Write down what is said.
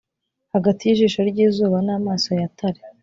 hagati y'ijisho ry'izuba n'amaso ya tale,